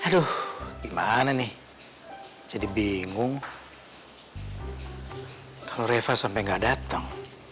aduh gimana nih jadi bingung kalau reva sampai nggak datang